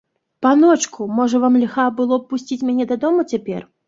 Паночку, можа вам льга было б пусціць мяне дадому цяпер.